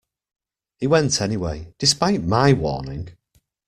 He went anyway, despite my warning.